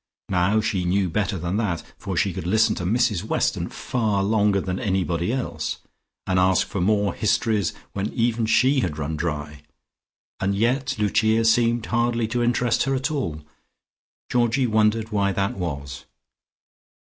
Now she knew better than that, for she could listen to Mrs Weston far longer than anybody else, and ask for more histories when even she had run dry. And yet Lucia seemed hardly to interest her at all. Georgie wondered why that was.